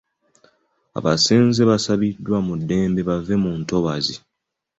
Abasenze basabiddwa mu ddembe bave mu ntobazi.